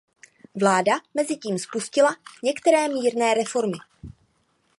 Vláda mezitím spustila některé mírné reformy.